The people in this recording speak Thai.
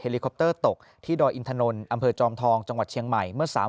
ลิคอปเตอร์ตกที่ดอยอินถนนอำเภอจอมทองจังหวัดเชียงใหม่เมื่อ๓๐